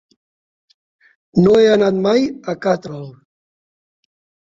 No he anat mai a Catral.